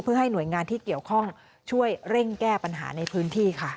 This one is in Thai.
เพื่อให้หน่วยงานที่เกี่ยวข้องช่วยเร่งแก้ปัญหาในพื้นที่ค่ะ